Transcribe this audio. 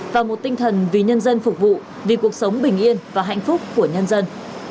và một tinh thần vì nhân dân phục vụ vì cuộc sống bình yên và hạnh phúc của nhân dân